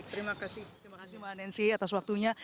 terima kasih mbak nancy atas waktunya